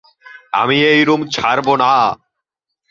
আমি এই রুম ছাড়ব না।